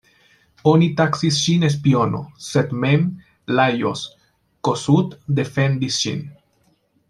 Oni taksis ŝin spiono, sed mem Lajos Kossuth defendis ŝin.